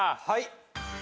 はい。